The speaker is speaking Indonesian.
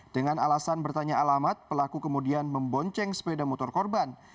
dengan alasan bertanya alamat pelaku kemudian membonceng sepeda motor korban